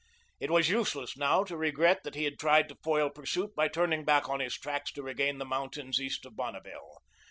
It was useless now to regret that he had tried to foil pursuit by turning back on his tracks to regain the mountains east of Bonneville.